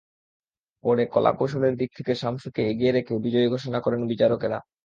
পরে কলাকৌশলের দিক থেকে সামশুকে এগিয়ে রেখে বিজয়ী ঘোষণা করেন বিচারকেরা।